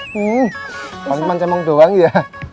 nih pancaman pancaman doang ya